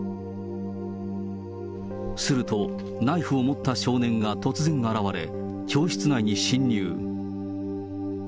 すると、ナイフを持った少年が突然現れ、教室内に侵入。